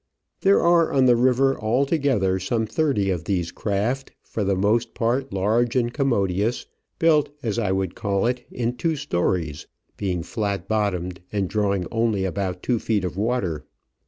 There are on the river altogether some thirty of these craft, for the most part large and commodious, built, A MAGDALENA STEAMBOAT. as I would call it, in two storeys, being flat bottomed, and drawing only about two feet of water.